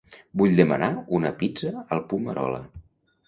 Vull demanar una pizza al Pummarola.